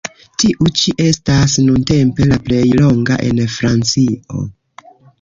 Tiu ĉi estas nuntempe la plej longa en Francio.